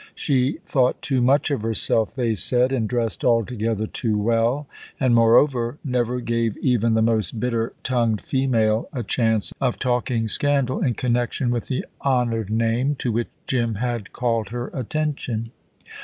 She thought too much of herself, they said, and dressed altogether too well; and, moreover, never gave even the most bitter tongued female a chance of talking scandal in connection with the honoured name to which Jim had called her attention.